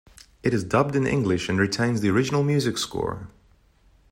It is dubbed in English and retains the original music score.